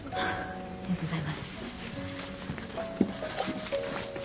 ありがとうございます。